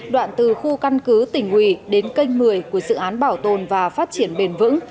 đoạn từ khu căn cứ tỉnh quỳ đến kênh một mươi của dự án bảo tồn và phát triển bền vững